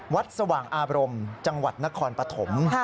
สว่างอาบรมจังหวัดนครปฐม